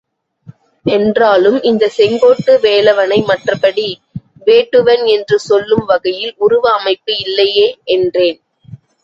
என்றாலும் இந்த செங்கோட்டு வேலவனை மற்றபடி வேட்டுவன் என்று சொல்லும் வகையில் உருவ அமைப்பு இல்லையே என்றேன்.